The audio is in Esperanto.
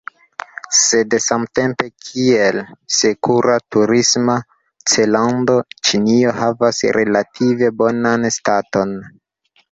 Sed samtempe, kiel sekura turisma cellando, Ĉinio havas relative bonan staton.